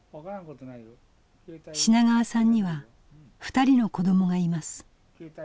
品川さんには２人の子どもがいます。